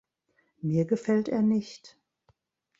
Mir gefällt er nicht.